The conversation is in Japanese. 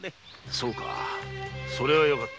そうかそれはよかった。